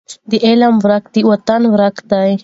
د علم ورکه د وطن ورکه ده.